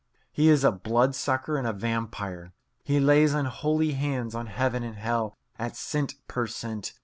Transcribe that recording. He is a bloodsucker and a vampire. He lays unholy hands on heaven and hell at cent. per cent.